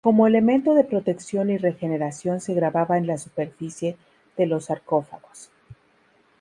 Como elemento de protección y regeneración se grababa en la superficie de los sarcófagos.